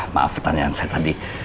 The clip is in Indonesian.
maaf pertanyaan saya tadi